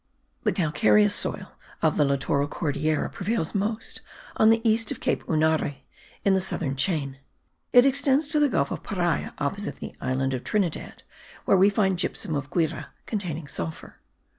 The calcareous soil of the littoral Cordillera prevails most on the east of Cape Unare, in the southern chain; it extends to the gulf of Paria, opposite the island of Trinidad, where we find gypsum of Guire, containing sulphur.